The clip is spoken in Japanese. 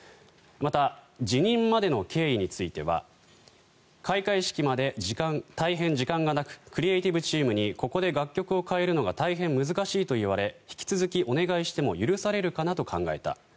また、辞任までの経緯については開会式まで大変時間がなくクリエーティブチームにここで楽曲を変えるのが大変難しいと言われ引き続きお願いしても許されるかなと考えた。